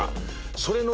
それの。